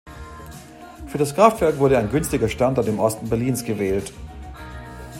Für das Kraftwerk wurde ein günstiger Standort im Osten Berlins gewählt.